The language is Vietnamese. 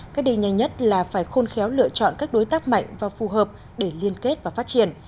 cách đi nhanh nhất là phải khôn khéo lựa chọn các đối tác mạnh và phù hợp để liên kết và phát triển